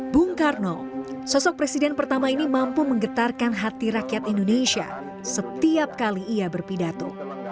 bung karno sosok presiden pertama ini mampu menggetarkan hati rakyat indonesia setiap kali ia berpidato